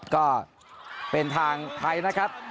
ก็เป็นทางไทยนะครับ